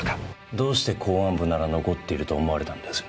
どうして公安部なら残っていると思われたのです？